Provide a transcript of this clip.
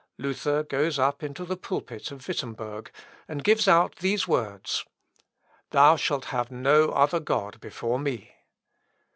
Luther goes up into the pulpit of Wittemberg, and gives out these words, "Thou shalt have no other god before me."